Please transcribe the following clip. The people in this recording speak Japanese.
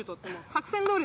作戦どおり。